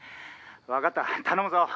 わかった頼むぞ！」